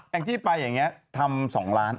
งจี้ไปอย่างนี้ทำ๒ล้าน